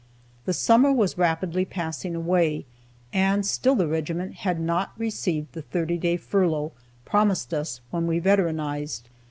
The summer was rapidly passing away, and still the regiment had not received the 30 day furlough promised us when we veteranized.